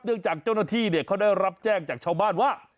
จากเจ้าหน้าที่เขาได้รับแจ้งจากชาวบ้านว่า